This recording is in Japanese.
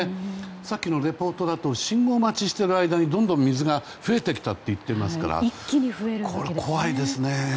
さっきのレポートだと信号待ちしている間にどんどん水が増えてきたと言ってますからこれ、怖いですね。